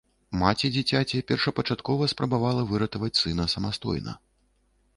Маці дзіцяці першапачаткова спрабавала выратаваць сына самастойна.